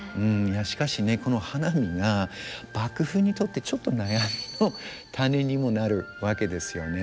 しかしねこの花見が幕府にとってちょっと悩みの種にもなるわけですよね。